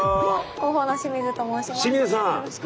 広報の清水と申します。